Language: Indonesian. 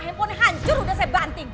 handphone hancur udah saya banting